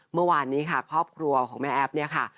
เมื่อวานนี้ค่ะครอบครัวของแม่แอฟเนี่ยค่ะ